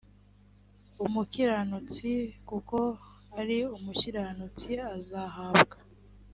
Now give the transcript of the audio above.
umukiranutsi kuko ari umukiranutsi azahabwa